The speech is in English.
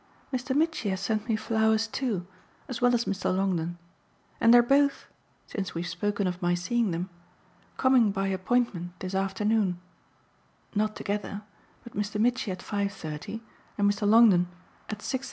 Mr. Mitchy has sent me flowers too, as well as Mr. Longdon. And they're both since we've spoken of my seeing them coming by appointment this afternoon; not together, but Mr. Mitchy at 5.30 and Mr. Longdon at 6.30."